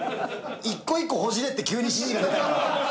１個１個ほじれって急に指示が出たから。